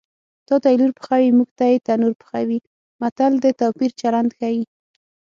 تاته یې لور پخوي موږ ته یې تنور پخوي متل د توپیر چلند ښيي